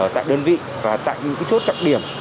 tại đơn vị và tại những chốt trọng điểm